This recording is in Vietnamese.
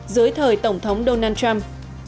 dưới thời tổng thống donald trump